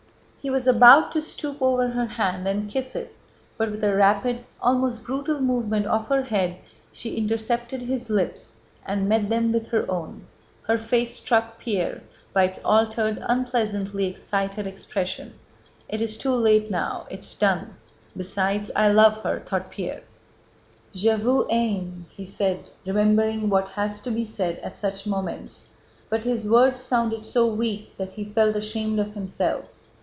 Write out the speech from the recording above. He was about to stoop over her hand and kiss it, but with a rapid, almost brutal movement of her head, she intercepted his lips and met them with her own. Her face struck Pierre, by its altered, unpleasantly excited expression. "It is too late now, it's done; besides I love her," thought Pierre. "Je vous aime!" * he said, remembering what has to be said at such moments: but his words sounded so weak that he felt ashamed of himself.